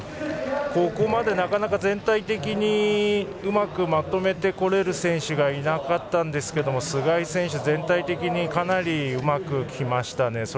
ここまでなかなか全体的にうまくまとめてこられる選手がいなかったんですが須貝選手は全体的にかなりうまくきましたね。